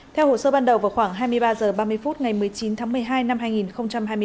theo hồ sơ ban đầu vào khoảng hai mươi ba h ba mươi phút ngày một mươi chín tháng một mươi hai năm hai nghìn hai mươi ba